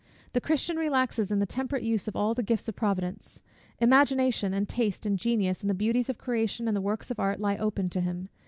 The Christian relaxes in the temperate use of all the gifts of Providence. Imagination, and taste, and genius, and the beauties of creation, and the works of art, lie open to him.